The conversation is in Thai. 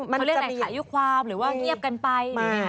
เขาเรียกอะไรขายุความหรือว่าเงียบกันไป